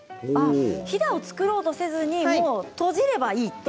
ひだを作ろうとせずにとじればいいと。